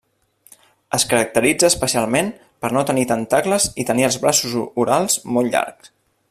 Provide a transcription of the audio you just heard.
Es caracteritza especialment per no tenir tentacles i tenir els braços orals molt llarg.